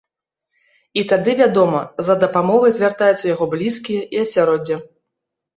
І тады, вядома, за дапамогай звяртаюцца яго блізкія і асяроддзе.